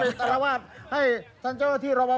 เราไปอารวาสให้ท่านเจ้าที่รัวมพร